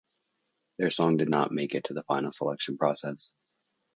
Their song did not make it to the final selection process.